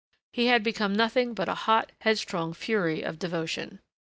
He had become nothing but a hot, headstrong fury of devotion.